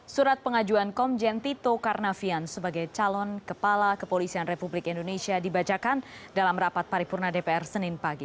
surat pengajuan komjen tito karnavian sebagai calon kepala kepolisian republik indonesia dibacakan dalam rapat paripurna dpr senin pagi